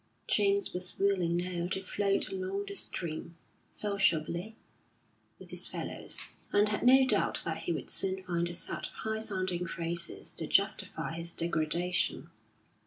James was willing now to float along the stream, sociably, with his fellows, and had no doubt that he would soon find a set of high sounding phrases to justify his degradation.